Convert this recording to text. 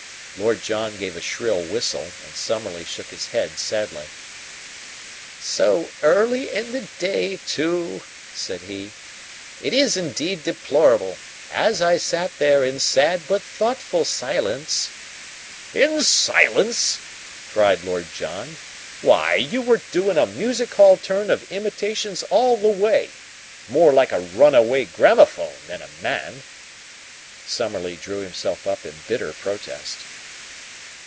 Lord John gave a shrill whistle, and Summerlee shook his head sadly. "So early in the day too," said he. "It is indeed deplorable. As I sat there in sad but thoughtful silence " "In silence!" cried Lord John. "Why, you were doin' a music hall turn of imitations all the way more like a runaway gramophone than a man." Summerlee drew himself up in bitter protest.